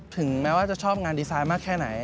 ถึงแม้ว่าจะชอบงานดีไซน์มากแค่ไหน